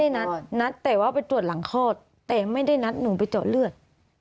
ไม่ได้นัดนัดเตะว่าไปตรวจหลังคลอดเตะไม่ได้นัดหนูไปจอดเลือด